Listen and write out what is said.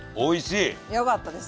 よかったです。